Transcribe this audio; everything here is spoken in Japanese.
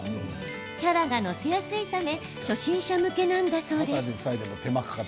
キャラが載せやすいため初心者向けなんだそうです。